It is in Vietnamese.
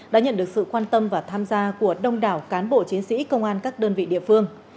đã nhận được sự quan tâm và tham gia của đông đảo cán bộ chiến sĩ công an các đơn vị địa phương